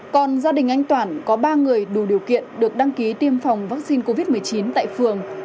còn gia đình anh toản có ba người đủ điều kiện được đăng ký tiêm phòng vaccine covid một mươi chín tại phường